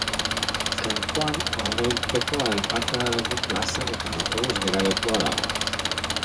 Kanpoan ordainpeko aparkaleku-plazak eta autobus geralekua dago.